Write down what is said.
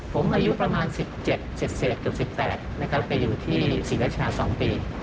ผมอายุประมาณ๑๗๑๘ไปอยู่ที่ศรีราชา๒ปี